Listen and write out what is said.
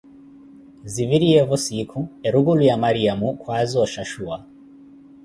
Ziviriyeevo siikhu, erukulo ya Mariyamo kwaaza o shashuwa.